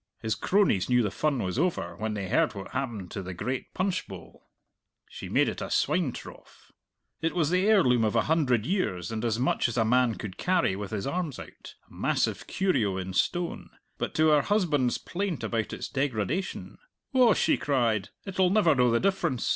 His cronies knew the fun was over when they heard what happened to the great punchbowl she made it a swine trough. It was the heirloom of a hundred years, and as much as a man could carry with his arms out, a massive curio in stone; but to her husband's plaint about its degradation, "Oh," she cried, "it'll never know the difference!